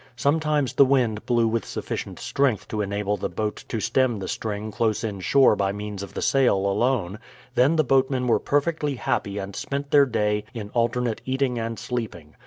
Sometimes the wind blew with sufficient strength to enable the boat to stem the stream close inshore by means of the sail alone; then the boatmen were perfectly happy and spent their day in alternate eating and sleeping.